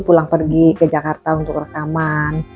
pulang pergi ke jakarta untuk rekaman